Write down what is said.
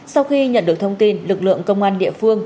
sau khi nhận được thông tin lực lượng công an địa phương